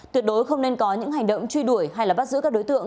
tuyệt đối không nên có những hành động truy đuổi hay bắt giữ các đối tượng